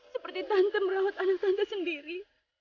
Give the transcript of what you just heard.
seperti tante merawat anak tante sendiri